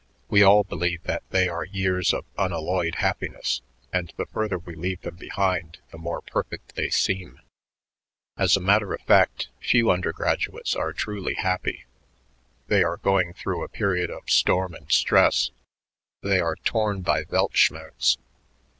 We all believe that they are years of unalloyed happiness, and the further we leave them behind the more perfect they seem. As a matter of fact, few undergraduates are truly happy. They are going through a period of storm and stress; they are torn by Weltschmerz.